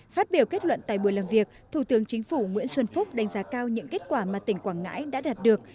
phát biểu kết luận tại buổi làm việc thủ tướng chính phủ nguyễn xuân phúc đánh giá cao những kết quả mà tỉnh quảng ngãi đã đạt được